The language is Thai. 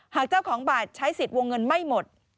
เจ้าของบาทใช้สิทธิ์วงเงินไม่หมด